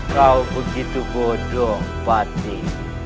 kau begitu bodoh fatih